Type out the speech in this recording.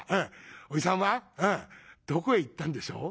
『おじさんはどこへ行ったんでしょう？』。